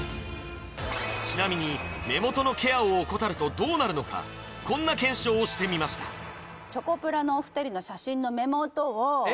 ちなみに目元のケアを怠るとどうなるのかこんな検証をしてみましたえっ？